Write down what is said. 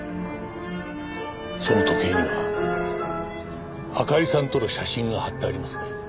その時計にはあかりさんとの写真が貼ってありますね？